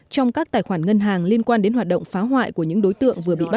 trong các tài khoản ngân hàng liên quan đến hoạt động phá hoại của những đối tượng vừa bị bắt